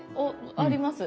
あります。